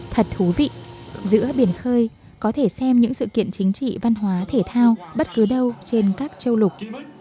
thật thú vị giữa biển khơi có thể xem những sự kiện chính trị văn hóa thể thao bất cứ đâu trên các châu lục